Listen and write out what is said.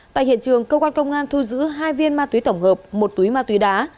tại hiện trường công an thu giữ hai viên ma túy tổng hợp một túi ma túy đá